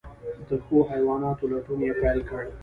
د ښو حیواناتو لټون یې پیل کړ.